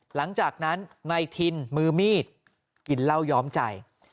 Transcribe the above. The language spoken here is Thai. หลังจากนั้นนายทินมือมีดกินเหล้าย้อมใจ